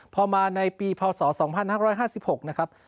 พอมาในปีพศ๒๕๕๖นะครับ